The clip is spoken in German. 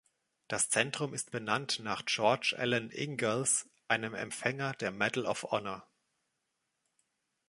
Das Zentrum ist benannt nach George Alan Ingalls, einem Empfänger der Medal of Honor.